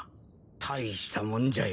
大したもんじゃよ。